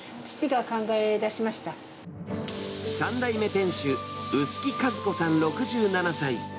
っ３代目店主、薄木和子さん６７歳。